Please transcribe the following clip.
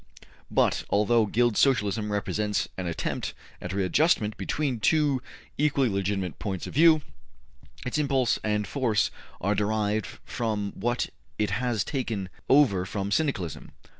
'' But although Guild Socialism represents an attempt at readjustment between two equally legitimate points of view, its impulse and force are derived from what it has taken over from Syndicalism.